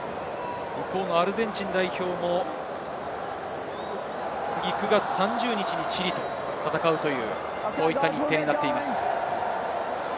アルゼンチン代表も９月３０日にチリと戦うという日程になっています。